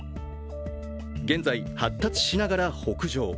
現在、発達しながら北上。